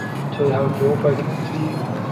最後繳費通知